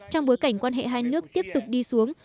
trong bối cảnh quan hệ hai nước tiếp tục đi xuống